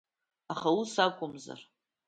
Аха ус акәымзар?